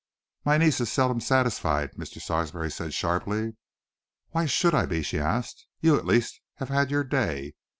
"My niece is seldom satisfied," Mr. Sarsby said sharply. "Why should I be?" she asked. "You, at least, have had your day.